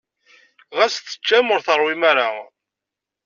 Ɣas teččam, ur tṛewwum ara.